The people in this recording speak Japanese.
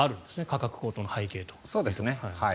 価格高騰の背景には。